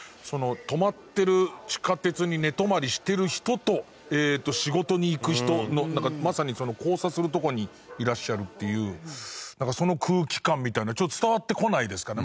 止まってる地下鉄に寝泊まりしてる人と仕事に行く人のまさに交差するとこにいらっしゃるっていうその空気感みたいな伝わってこないですから。